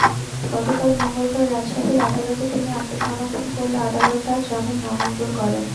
গতকাল মঙ্গলবার রাজশাহীর আদালতে তিনি আত্মসমর্পণ করলে আদালত তাঁর জামিন নামঞ্জুর করেন।